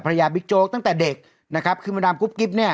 ภรรยาบิ๊กโจ๊กตั้งแต่เด็กนะครับ